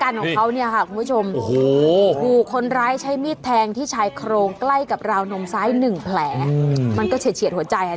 เฉียดเฉียดเฉียดหัวใจอ่ะนะสาหักนะเนี่ย